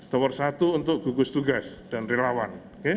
tower satu untuk gugus tugas dan relawan